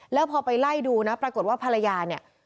แล้วพอไปไล่ดูนะปรากฏว่าภรรยาเนี่ย